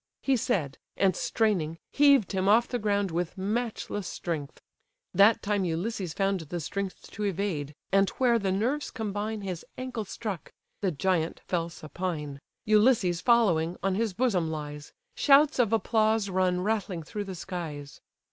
He said; and, straining, heaved him off the ground With matchless strength; that time Ulysses found The strength to evade, and where the nerves combine His ankle struck: the giant fell supine; Ulysses, following, on his bosom lies; Shouts of applause run rattling through the skies.